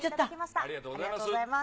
ありがとうございます。